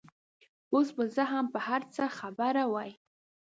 اوس به زه هم په هر څه خبره وای.